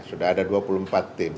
sudah ada dua puluh empat tim